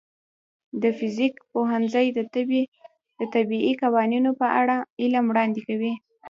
د فزیک پوهنځی د طبیعي قوانینو په اړه علم وړاندې کوي.